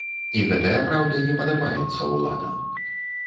І гэтая праўда не падабаецца ўладам.